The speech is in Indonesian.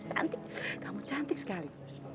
cantik kamu cantik sekali